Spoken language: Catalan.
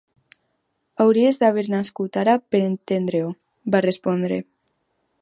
"Hauries d'haver nascut àrab per entendre-ho", va respondre.